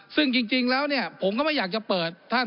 ซึ่งจริงแล้วผมก็ไม่อยากจะเปิดท่าน